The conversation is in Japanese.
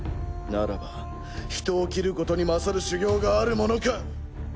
ならば人を斬ることに勝る修業があるものか。